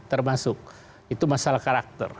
termasuk itu masalah karakter